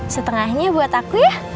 setengahnya buat aku ya